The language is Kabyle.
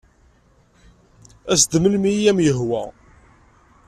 As-d melmi ay am-yehwa.